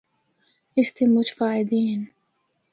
اس دی مُچ فائدے ہن۔